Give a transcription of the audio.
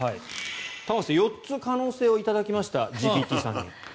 玉川さん４つ可能性を頂きましたＧＰＴさんに。